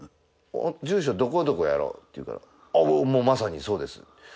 住所どこどこやろって言うからあっまさにそうです。